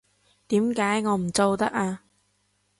點解我唔做得啊？